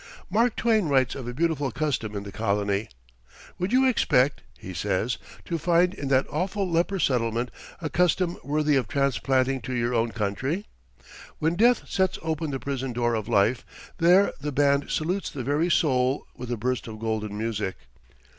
Mark Twain writes of a beautiful custom in the colony. "Would you expect," he says, "to find in that awful leper settlement a custom worthy of transplanting to your own country? When death sets open the prison door of life there the band salutes the very soul with a burst of golden music."